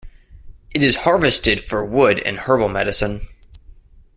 It is harvested for wood and herbal medicine.